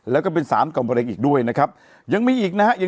แล้วก็เป็นสารก่อมมะเร็งอีกด้วยนะครับยังมีอีกนะฮะ